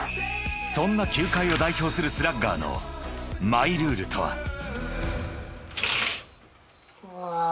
［そんな球界を代表するスラッガーのマイルールとは］